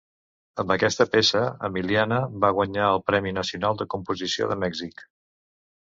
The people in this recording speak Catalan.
Amb aquesta peça, Emiliana va guanyar el Premi Nacional de Composició de Mèxic.